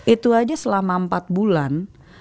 itu aja selama empat bulan